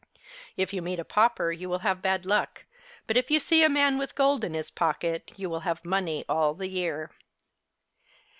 If you meet a pauper you will have bad luck, but if you see a man with gold in his pocket, you will have money all the year.